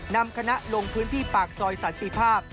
นำคณะลงพื้นที่ปากซอยสันติภาพ